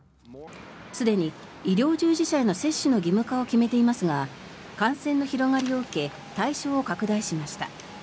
すでに医療従事者への接種の義務化を決めていますが感染の広がりを受け対象を拡大しました。